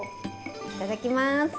いただきます。